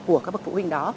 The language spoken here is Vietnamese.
của các bậc phụ huynh đó